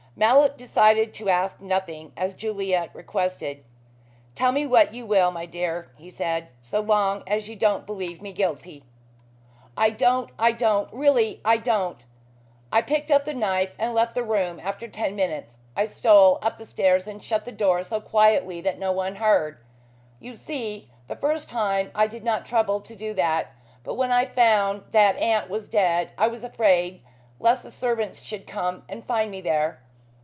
Mallow decided to ask nothing, as Juliet requested. "Tell me what you will, my dear," he said, "so long as you don't believe me guilty." "I don't I don't really I don't. I picked up the knife and left the room after ten minutes. I stole up the stairs and shut the door so quietly that no one heard. You see, the first time I did not trouble to do that, but when I found that aunt was dead I was afraid lest the servants should come and find me there.